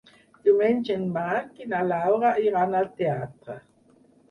Diumenge en Marc i na Laura iran al teatre.